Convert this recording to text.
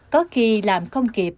có khi làm không kịp